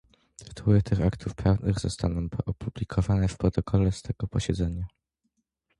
Tytuły tych aktów prawnych zostaną opublikowane w protokole z tego posiedzenia